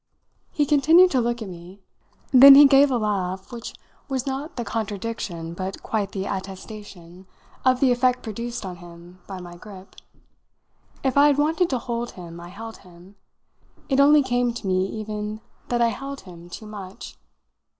He continued to look at me; then he gave a laugh which was not the contradiction, but quite the attestation, of the effect produced on him by my grip. If I had wanted to hold him I held him. It only came to me even that I held him too much.